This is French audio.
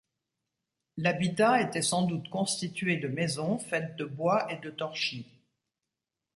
L'habitat était sans doute constitué de maisons faites de bois et de torchis.